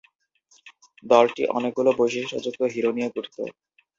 দলটি অনেকগুলো বৈশিষ্ট্যযুক্ত হিরো নিয়ে গঠিত।